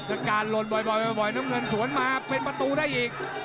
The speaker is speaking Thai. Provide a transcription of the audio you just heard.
จากการลนบ่อยน้ำเงินสวนมาเป็นประตูได้อีก